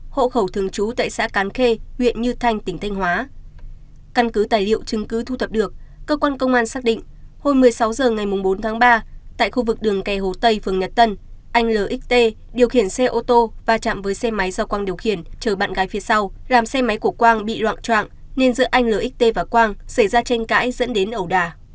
hồi một mươi sáu h ngày bốn ba tại khu vực đường kè hồ tây phường nhật tân anh lxt điều khiển xe ô tô và chạm với xe máy do quang điều khiển chờ bạn gái phía sau làm xe máy của quang bị loạn troạng nên giữa anh lxt và quang xảy ra tranh cãi dẫn đến ẩu đà